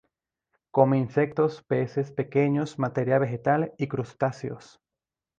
Come insectos, peces pequeños, materia vegetal y crustáceos.